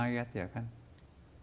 orang nggak pergi taruhi takut pulang mayat